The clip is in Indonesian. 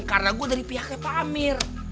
karena gue dari pihaknya pak amir